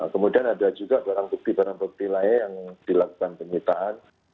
kemudian ada juga barang bukti barang bukti lain yang dilakukan penyitaan